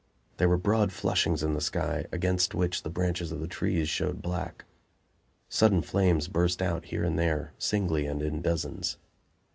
There were broad flushings in the sky, against which the branches of the trees showed black. Sudden flames burst out here and there, singly and in dozens.